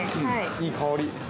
◆いい香り。